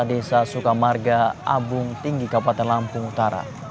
desa sukamarga abung tinggi kabupaten lampung utara